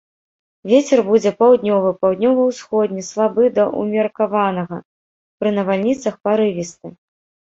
Вецер будзе паўднёвы, паўднёва-ўсходні слабы да ўмеркаванага, пры навальніцах парывісты.